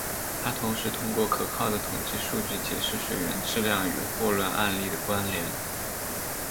他同时通过可靠的统计数据解释水源质量与霍乱案例的关联。